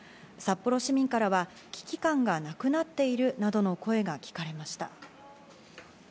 札幌市民からは危機感がなくなっているなどの声が聞かれました。